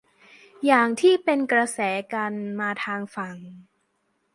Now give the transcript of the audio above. อย่างที่เป็นกระแสกันมาทางฝั่ง